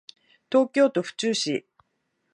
東京都府中市